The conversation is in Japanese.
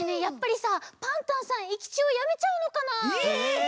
やっぱりさパンタンさん駅長やめちゃうのかな？え！